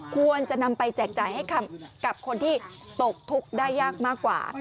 ควรจะนำไปแจกจ่ายให้กับคนที่ตกทุกข์ได้ยากมากกว่า